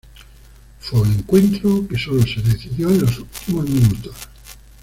Fue un encuentro que sólo se decidió en los últimos minutos.